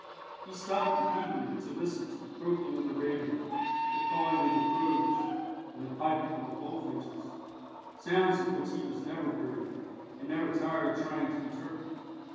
He stopped repeatedly to listen to the croaking of the raven, the cawing of the crows, and the piping of the bullfinches sounds of which he was never weary, and never tired of trying to interpret.